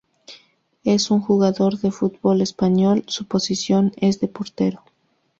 Es un jugador de fútbol español, su posición es la de portero.